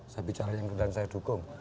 saya bicara yang kemudian saya dukung